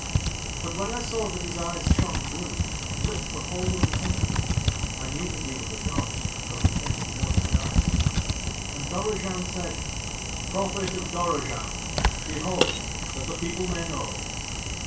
"But when I saw that his eyes shone blue and lit the whole of the temple I knew that he was a god though he came in mortal guise. And Dorozhand said: 'Prophet of Dorozhand, behold that the people may know.'